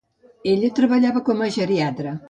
Ella treballava com a geriatra.